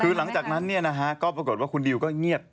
คือหลังจากนั้นก็ปรากฏว่าคุณดิวก็เงียบ